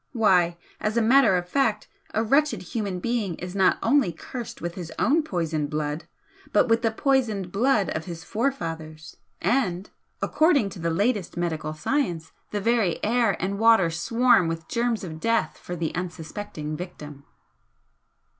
Why, as a matter of fact a wretched human being is not only cursed with his own poisoned blood but with the poisoned blood of his forefathers, and, according to the latest medical science, the very air and water swarm with germs of death for the unsuspecting victim."